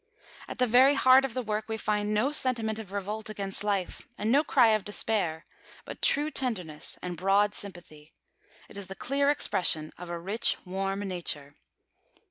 At the very heart of the work we find no sentiment of revolt against life, and no cry of despair, but true tenderness and broad sympathy. It is the clear expression of a rich, warm nature.